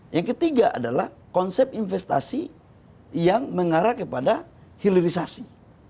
yang ketiga adalah konsep investasi yang mengarah kepada hilirisasi